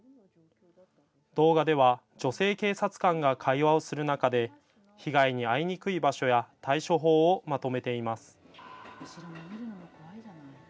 動画では女性警察官が会話をする中で被害に遭いにくい場所や対処法をまとめています。